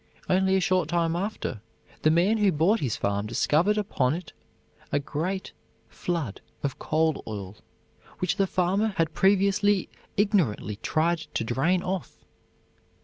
Only a short time after, the man who bought his farm discovered upon it a great flood of coal oil, which the farmer had previously ignorantly tried to drain off.